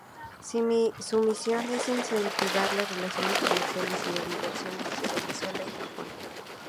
Su misión es incentivar las relaciones comerciales y de inversión entre Venezuela y Japón.